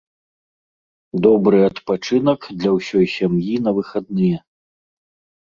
Добры адпачынак для ўсёй сям'і на выхадныя.